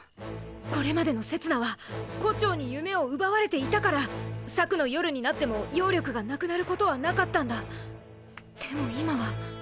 これまでのせつなは胡蝶に夢を奪われていたから朔の夜になっても妖力が無くなることはなかったんだでも今は。